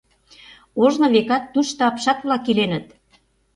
Ожно, векат, тушто апшат-влак иленыт.